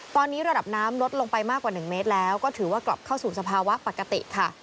ตอนนี้ระดับน้ำลดลงไปมากกว่า๑เมตรแล้วก็ถือว่ากลับเข้าสู่สภาวะปกติค่ะ